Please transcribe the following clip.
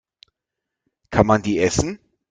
Kann man die essen?